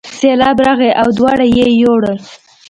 سیلاب راغی او دواړه یې یووړل.